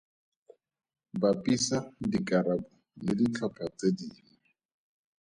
Bapisa dikarabo le ditlhopha tse dingwe.